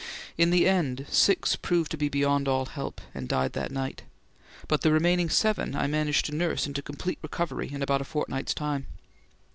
In the end six proved to be beyond all help, and died that night; but the remaining seven I managed to nurse into complete recovery in about a fortnight's time.